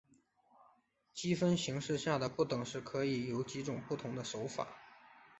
积分形式下的不等式可以有几种不同的写法。